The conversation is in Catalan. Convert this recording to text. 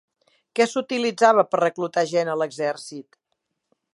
Què s'utilitzava per reclutar gent a l'exèrcit?